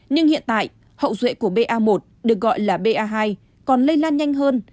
nhưng hiện tại hậu duệ của ba một được gọi là ba còn lây lan nhanh hơn